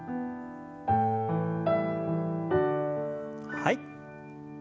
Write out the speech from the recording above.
はい。